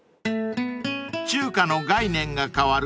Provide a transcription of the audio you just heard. ［中華の概念が変わる